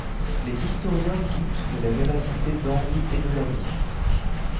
Les historiens doutent de la véracité d'Henri et de Lalli.